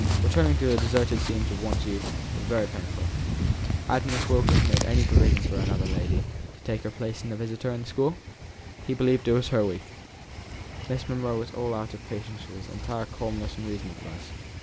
returning to the deserted scenes of one's youth was very painful ... Had Miss Wilkins made any provision for another lady to take her place as visitor at the school? He believed it was her week. Miss Monro was out of all patience at his entire calmness and reasonableness.